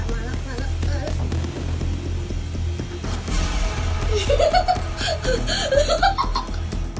มาแล้ว